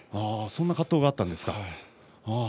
そんな葛藤があったんですか。